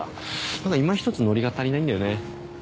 何かいまひとつノリが足りないんだよね。